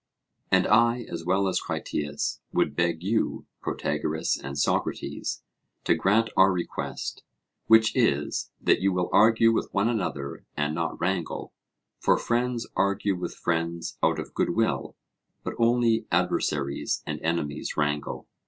And I as well as Critias would beg you, Protagoras and Socrates, to grant our request, which is, that you will argue with one another and not wrangle; for friends argue with friends out of good will, but only adversaries and enemies wrangle.